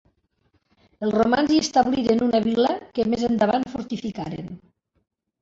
Els romans hi establiren una vil·la que més endavant fortificaren.